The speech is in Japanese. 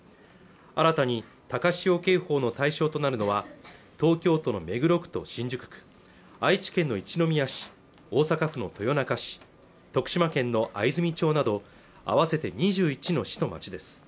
新たに高潮警報の対象となるのは東京都の目黒区と新宿区愛知県の一宮市大阪府の豊中市徳島県の藍住町など合わせて２１の市と町です